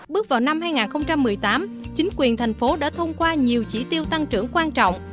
bước vào năm hai nghìn một mươi tám chính quyền thành phố đã thông qua nhiều chỉ tiêu tăng trưởng quan trọng